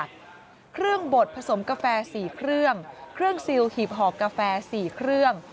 เครื่องบดผสมกาแฟ๔เครื่องเครื่องซิลหีบห่อกาแฟ๔เครื่อง